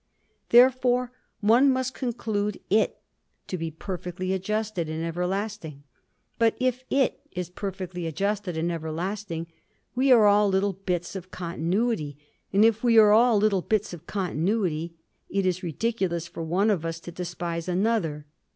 Therefore, one must conclude It to be perfectly adjusted and everlasting. But if It is perfectly adjusted and everlasting, we are all little bits of continuity, and if we are all little bits of continuity it is ridiculous for one of us to despise another.